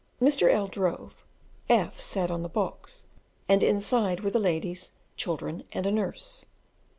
Mr. L drove, F sat on the box, and inside were the ladies, children, and a nurse.